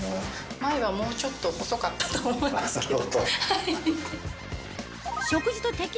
前はもうちょっと細かったと思うんですけど。